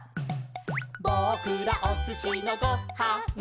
「ぼくらおすしのご・は・ん」